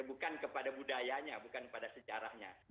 bukan kepada budayanya bukan pada sejarahnya